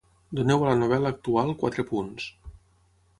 Doneu a la novel·la actual quatre punts.